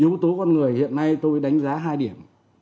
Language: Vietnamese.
yếu tố con người hiện nay tôi đánh giá hai điểm